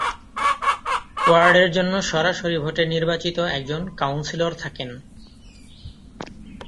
ওয়ার্ডের জন্য সরাসরি ভোটে নির্বাচিত একজন কাউন্সিলর থাকেন।